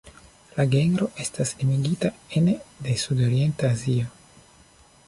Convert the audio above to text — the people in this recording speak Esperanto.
La genro estas limigita ene de Sudorienta Azio.